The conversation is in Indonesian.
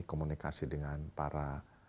komunikasi dengan para